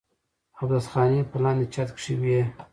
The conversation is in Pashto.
اودس خانې پۀ لاندې چت کښې وې